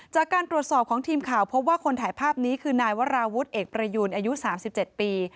จากการตรวจสอบของทีมข่าวพบว่าคนถ่ายภาพนี้คือนายวราวุฒิเอกประยูนอายุ๓๗ปี